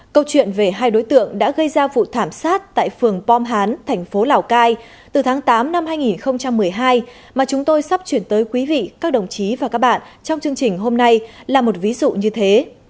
câu chuyện về hai đối tượng đã gây ra vụ thảm sát tại phường pom hán thành phố lào cai từ tháng tám năm hai nghìn một mươi hai mà chúng tôi sắp chuyển tới quý vị các đồng chí và các bạn trong chương trình hôm nay là một ví dụ như thế